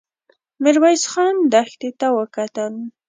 ميرويس خان دښتې ته وکتل.